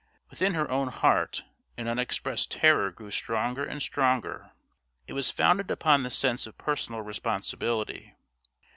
Within her own heart an unexpressed terror grew stronger and stronger. It was founded upon the sense of personal responsibility.